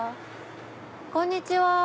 こんにちは！